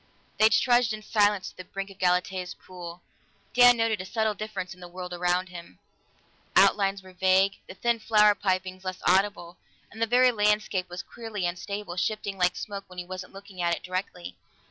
They trudged in silence to the brink of Galatea's pool. Dan noted a subtle difference in the world about him; outlines were vague, the thin flower pipings less audible, and the very landscape was queerly unstable, shifting like smoke when he wasn't looking at it directly.